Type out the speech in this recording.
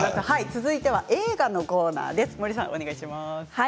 続いては映画のコーナーです。